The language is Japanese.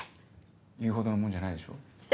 言うほどのもんじゃないでしょ？